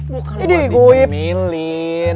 bukan lo bisa nyemelin